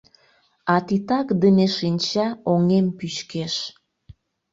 А титакдыме шинча Оҥем пӱчкеш.